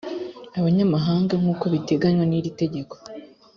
abanyamahanga nk uko biteganywa n iritegeko